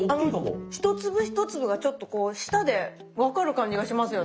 一粒一粒がちょっとこう舌でわかる感じがしますよね。